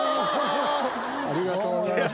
ありがとうございます。